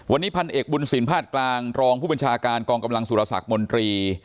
วันนี้พันเอกบุญสินภาคกลางรองผู้บัญชาการกองกำลังสุรสักมนตรี